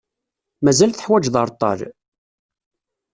Mazal teḥwaǧeḍ areṭṭal?